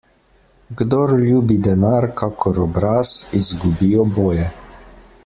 Kdor ljubi denar kakor obraz, izgubi oboje.